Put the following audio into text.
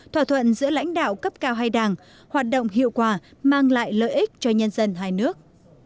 thỏa thuận giữa lãnh đạo cấp cao hai đảng hoạt động hiệu quả mang lại lợi ích cho nhân dân hai nước